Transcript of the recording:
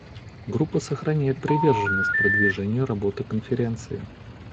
Группа сохраняет приверженность продвижению работы Конференции.